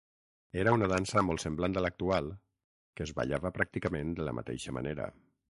Era una dansa molt semblant a l'actual, que es ballava pràcticament de la mateixa manera.